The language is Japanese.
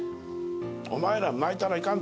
お前らは泣いたらいかん」。